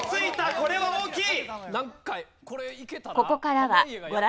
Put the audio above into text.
これは大きい！